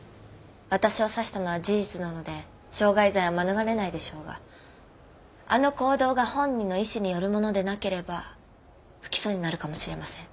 私を刺したのは事実なので傷害罪は免れないでしょうがあの行動が本人の意思によるものでなければ不起訴になるかもしれません。